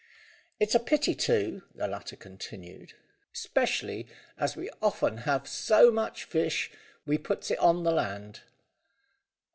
"It's a pity too," the latter continued, "specially as we often have so much fish we puts it on the land."